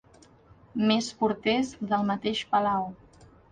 Més porters del mateix palau.